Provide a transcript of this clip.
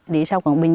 đi sau quảng bình